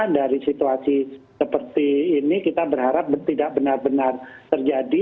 dari situasi seperti ini kita berharap tidak benar benar terjadi